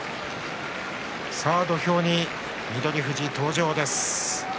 さあ土俵に翠富士登場です。